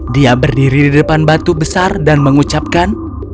dia berdiri di depan batu besar dan mengucapkan